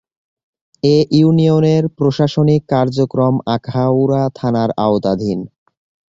এ ইউনিয়নের প্রশাসনিক কার্যক্রম আখাউড়া থানার আওতাধীন।